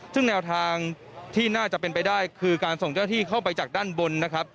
ซึ่งแนวทางที่น่าจะเป็นไปได้คือการส่งเจ้าหน้าที่เข้าไปจากด้านบนนะครับ